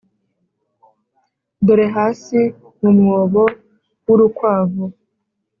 dore hasi mu mwobo w'urukwavu,